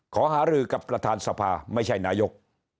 ขอหารือกับประธานสภาไม่ใช่นายก